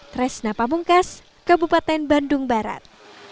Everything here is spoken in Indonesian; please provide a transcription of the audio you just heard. tresna pamungkas kabupaten bandung barat